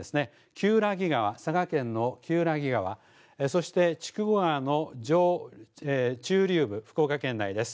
厳木川、佐賀県の厳木川、そして筑後川の上中流部、福岡県内です。